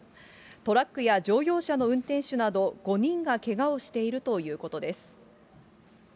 トラックや乗用車の運転手など５人がけがをしているということです。